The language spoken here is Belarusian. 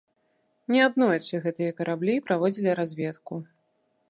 Неаднойчы гэтыя караблі праводзілі разведку.